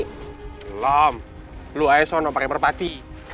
belom lo aja sama pake berpati